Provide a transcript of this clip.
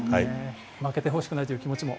負けてほしくないという気持ちも。